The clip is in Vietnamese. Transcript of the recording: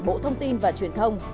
bộ thông tin và truyền thông